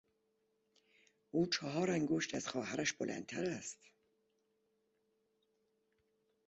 او چهار انگشت از خواهرش بلندتر است.